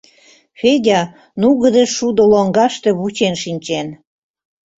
Федя нугыдо шудо лоҥгаште вучен шинчен.